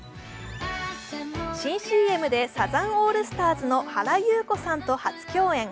新ＣＭでサザンオールスターズの原由子さんと初共演。